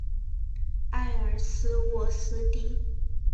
埃尔斯沃思地。